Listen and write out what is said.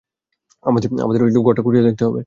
আমাদের ঘরটা খুঁটিয়ে দেখতে হবে।